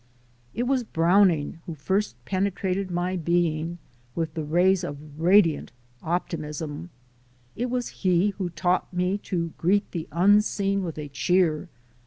It was Browning who first penetrated my being with the rays of radiant optimism; it was he who taught me to "greet the unseen with a cheer."